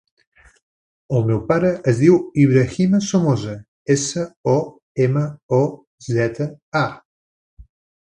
El meu pare es diu Ibrahima Somoza: essa, o, ema, o, zeta, a.